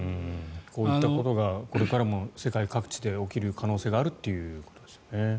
こういったことがこれからも、世界各地で起きる可能性があるということですね。